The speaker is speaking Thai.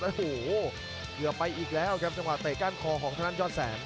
โอ้โหเกือบไปอีกแล้วครับจังหวะเตะก้านคอของทางด้านยอดแสน